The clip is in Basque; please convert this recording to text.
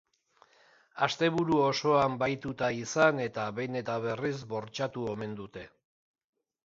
Asteburu osoan bahituta izan eta behin eta berriz bortxatu omen dute.